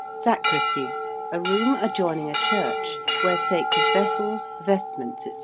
~sacristy~: a room adjoining a church where sacred vessels, vestments, &c.